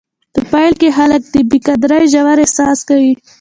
په پیل کې خلک د بې قدرتۍ ژور احساس کوي.